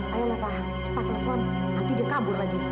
ayo lah pak cepat telepon nanti dia kabur lagi